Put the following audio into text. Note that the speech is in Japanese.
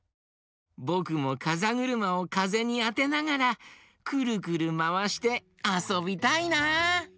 ぼくもかざぐるまをかぜにあてながらくるくるまわしてあそびたいな！